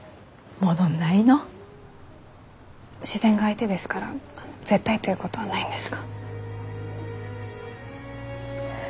自然が相手ですから絶対ということはないんですが。